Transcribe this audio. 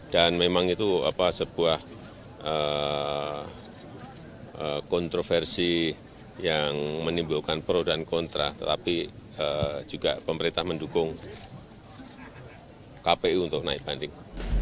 dan memang itu sebuah kontroversi yang menimbulkan pro dan kontra tetapi juga pemerintah mendukung kpu untuk naik banding